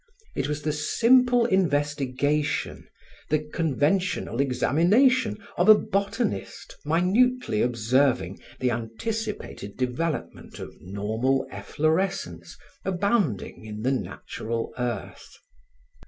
It was the simple investigation, the conventional examination of a botanist minutely observing the anticipated development of normal efflorescence abounding in the natural earth.